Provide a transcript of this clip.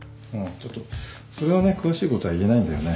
ちょっとそれはね詳しいことは言えないんだよね。